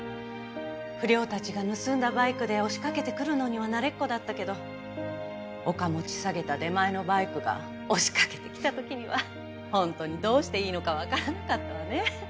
不良たちが盗んだバイクで押しかけてくるのには慣れっこだったけど岡持ち下げた出前のバイクが押しかけてきた時には本当にどうしていいのかわからなかったわね。